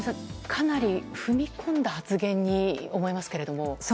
かなり踏み込んだ発言に思いますけれども。